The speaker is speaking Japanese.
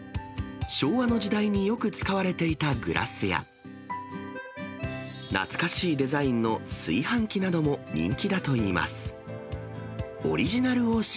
昭和の時代によく使われていたグラスや、懐かしいデザインの炊飯器なども人気だといいます。